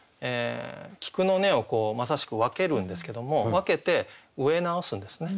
菊の根をまさしく分けるんですけども分けて植え直すんですね。